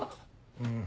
うん。